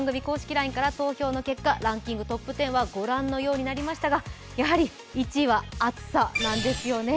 ＬＩＮＥから投票の結果、ランキングトップ１０はご覧のようになりましたがやはり１位は暑さなんですよね。